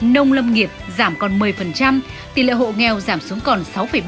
nông lâm nghiệp giảm còn một mươi tỷ lệ hộ nghèo giảm xuống còn sáu ba